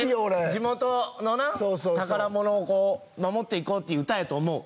地元の宝物を守っていこうという歌やと思う。